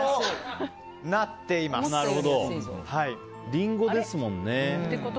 リンゴですもんね。